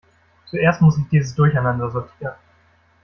Zuerst muss ich dieses Durcheinander sortieren.